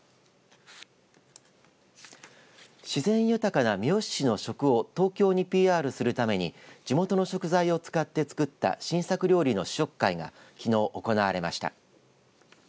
自然豊かな三好市の食を東京にＰＲするために地元の食材を使って作った新作料理の試食会がきのう行われました。